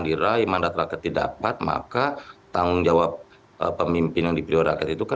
jadi ketika kemenangan diraih mandat rakyat didapat maka tanggung jawab pemimpin yang dipilih oleh rakyat itu kan orang lain